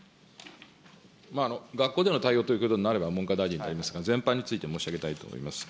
学校での対応ということになれば、文科大臣になりますから、全般について申し上げたいと思います。